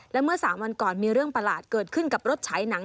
และเมื่อ๓วันก่อนมีเรื่องประหลาดเกิดขึ้นกับรถฉายหนัง